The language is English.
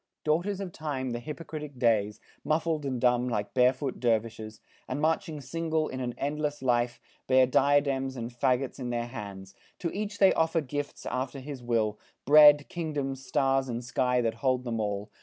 "Daughters of Time, the hypocritic days, Muffled and dumb like barefoot dervishes, And marching single in an endless file, Bear diadems and fagots in their hands. To each they offer gifts after his will Bread, kingdoms, stars, and sky that hold them all.